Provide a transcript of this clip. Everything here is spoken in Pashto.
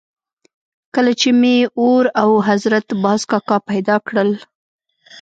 کله چې به مې اور او حضرت باز کاکا پیدا کړل.